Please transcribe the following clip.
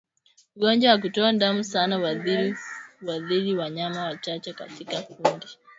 Ugonjwa wa kutoka damu sana huathiri huathiri wanyama wachache katika kundi